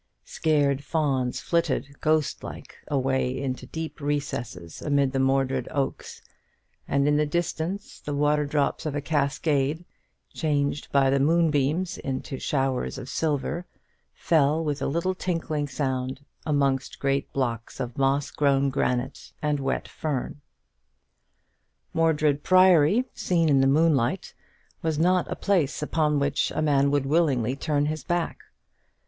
Scared fawns flitted ghost like away into deep recesses amid the Mordred oaks; and in the distance the waterdrops of a cascade, changed by the moonbeams into showers of silver, fell with a little tinkling sound amongst great blocks of moss grown granite and wet fern. Mordred Priory, seen in the moonlight, was not a place upon which a man would willingly turn his back.